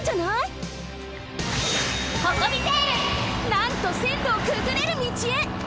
なんとせんろをくぐれる道へ！